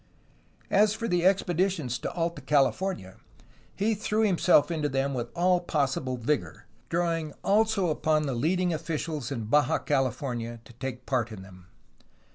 As for the expeditions to Alta California, he threw himself into them with all possible vigor, drawing also upon the leading officials in Baja California to take part in them.